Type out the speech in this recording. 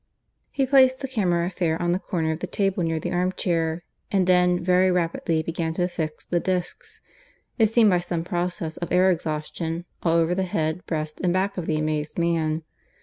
He placed the camera affair on the corner of the table near the arm chair; and then, very rapidly, began to affix the discs it seemed by some process of air exhaustion all over the head, breast, and back of the amazed man.